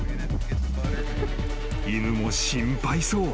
［犬も心配そう］